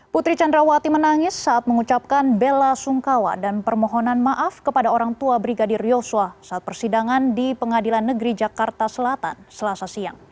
putri candrawati menangis saat mengucapkan bela sungkawa dan permohonan maaf kepada orang tua brigadir yosua saat persidangan di pengadilan negeri jakarta selatan selasa siang